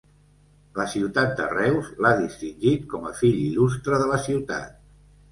La ciutat de Reus l'ha distingit com a fill il·lustre de la ciutat.